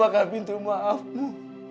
apakah pintu maafmu